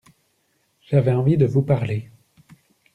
J’avais envie de vous parler.